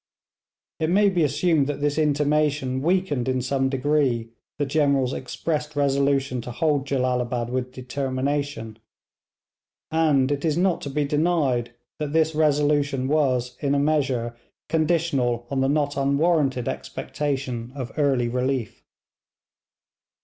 It may be assumed that this intimation weakened in some degree the General's expressed resolution to hold Jellalabad with determination, and it is not to be denied that this resolution was in a measure conditional on the not unwarranted expectation of early relief.